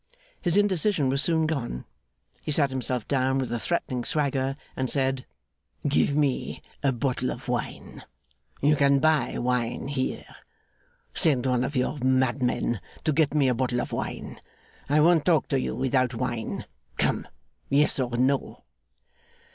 His indecision was soon gone. He sat himself down with a threatening swagger, and said: 'Give me a bottle of wine. You can buy wine here. Send one of your madmen to get me a bottle of wine. I won't talk to you without wine. Come! Yes or no?